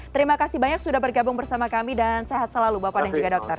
terima kasih banyak sudah bergabung bersama kami dan sehat selalu bapak dan juga dokter